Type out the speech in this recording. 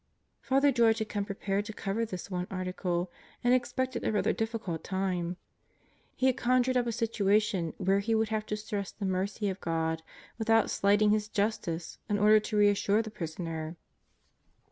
Father George had come prepared to cover this one Article and expected a rather difficult time. He had conjured up a situation where he would have to stress the mercy of God without slighting His justice in order to reassure the prisoner.